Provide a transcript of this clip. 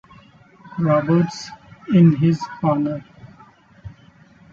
Roberts in his honour.